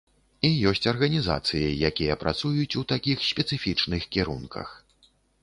І ёсць арганізацыі, якія працуюць у такіх спецыфічных кірунках.